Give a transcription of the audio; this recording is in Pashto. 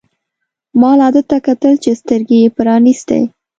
ما لا ده ته کتل چې سترګې يې پرانیستې.